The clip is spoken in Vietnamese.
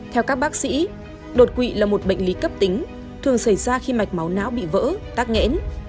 theo các bác sĩ đột quỵ là một bệnh lý cấp tính thường xảy ra khi mạch máu não bị vỡ tắc nghẽn